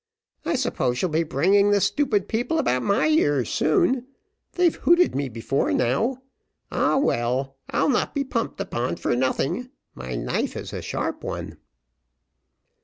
I suppose you'll be bringing the stupid people about my ears soon they've hooted me before now. Ah, well I'll not be pumped upon for nothing my knife is a sharp one."